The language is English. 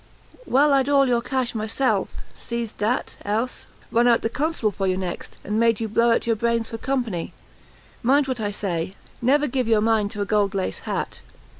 "Well I'd all your cash myself; seized that, else! run out the constable for you, next, and made you blow out your brains for company. Mind what I say, never give your mind to a gold lace hat!